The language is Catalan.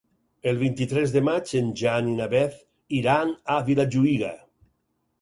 El vint-i-tres de maig en Jan i na Beth iran a Vilajuïga.